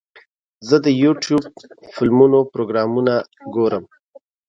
زه د یوټیوب د فلمونو پروګرامونه ګورم.